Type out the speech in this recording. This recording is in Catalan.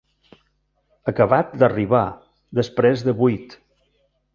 Acabat d'arribar, després de buit.